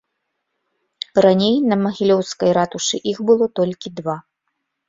Раней на магілёўскай ратушы іх было толькі два.